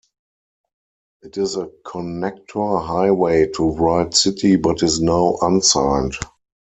It is a connector highway to Wright City, but is now unsigned.